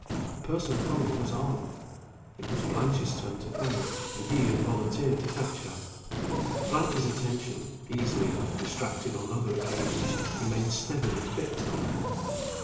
The person coming was Arnold. It was Blanche's turn to play, and he had volunteered to fetch her. Blanche's attention easily enough distracted on other occasions remained steadily fixed on Anne.